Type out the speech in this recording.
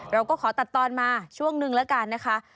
เราก็ขอตัดตอนมาช่วงนึงแล้วกันนะคะ